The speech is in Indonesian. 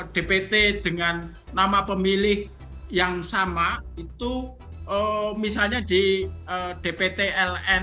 dpt dengan nama pemilih yang sama itu misalnya di dptln